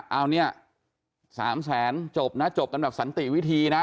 เอาเนี่ย๓แสนจบนะจบกันแบบสันติวิธีนะ